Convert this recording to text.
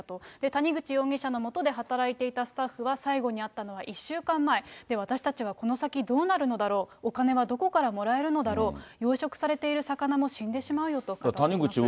谷口容疑者の下で働いていたスタッフが、最後に会ったのが１週間前、私たちはこの先どうなるのだろう、お金はどこからもらえるのだろう、養殖している魚も死んでしまうよと言っています。